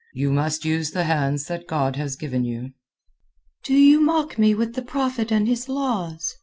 You must use the hands that God has given you." "Do you mock me with the Prophet and his laws?